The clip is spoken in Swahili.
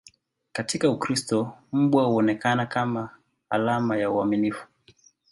Katika Ukristo, mbwa huonekana kama alama ya uaminifu.